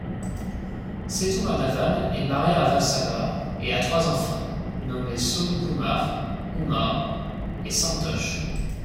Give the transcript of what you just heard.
Sethumadhavan est marié à Valsala et a trois enfants, nommés Sonukumar, Uma et Santhosh.